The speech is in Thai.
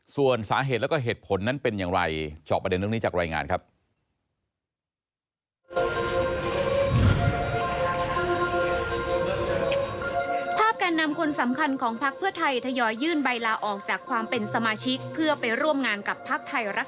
ส่วนสาเหตุและก็เหตุผลนั้นเป็นยังไง